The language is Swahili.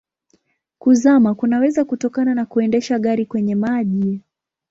Kuzama kunaweza kutokana na kuendesha gari kwenye maji.